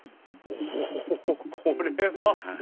おこれは！